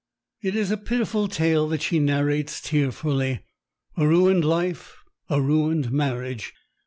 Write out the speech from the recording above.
It is a pitiful tale that she narrates tearfully. A ruined life, a ruined marriage!